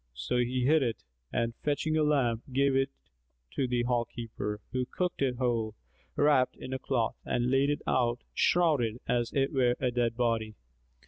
So he hid it and fetching a lamb, gave it to the hall keeper who cooked it whole, wrapped in a cloth, and laid it out shrouded as it were a dead body.